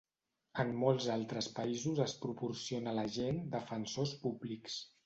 En molts altres països es proporciona a la gent defensors públics.